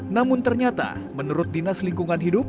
namun ternyata menurut dinas lingkungan hidup